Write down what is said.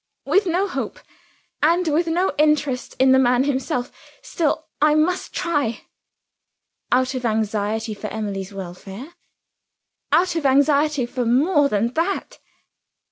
"With no hope and with no interest in the man himself. Still I must try." "Out of anxiety for Emily's welfare?" "Out of anxiety for more than that."